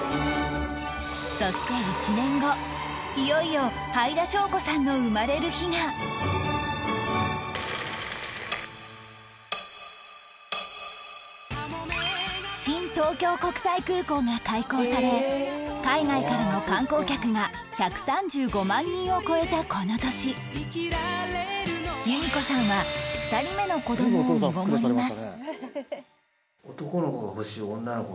そして１年後いよいよ新東京国際空港が開港され海外からの観光客が１３５万人を超えたこの年由見子さんは２人目の子どもを身ごもります